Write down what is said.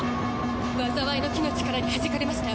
災いの樹の力に弾かれました！